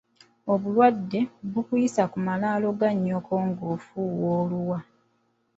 Obulwadda, bukuyisa ku malaalo ga nnyoko ng’ofuuwa oluwa.